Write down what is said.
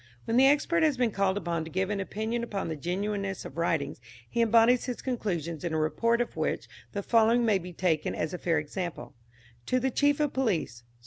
When the expert has been called upon to give an opinion upon the genuineness of writings he embodies his conclusions in a report of which the following may be taken as a fair example: To the Chief of Police.